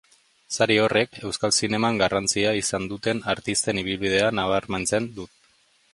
Sari horrek euskal zineman garrantzia izan duten artisten ibilbidea nabarmentzen du.